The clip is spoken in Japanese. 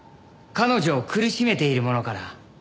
彼女を苦しめているものから。